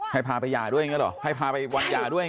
ให้พาไปหย่าด้วยอย่างนั้นหรอให้พาไปหวัดหย่าด้วยอย่างนั้นหรอ